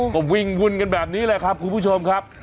ก็วิ่งวุ่นกันแบบนี้แหละครับคุณผู้ชมครับ